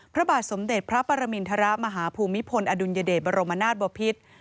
พระบาทสมเด็จพระปรมินทรมาฮภูมิพลอดุลยเดชบรมนาศบพิษ